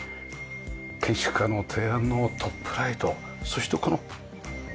建築家の提案のトップライトそしてこの階段ですよね。